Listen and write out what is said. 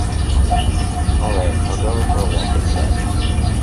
All right, I'll go for a walk instead.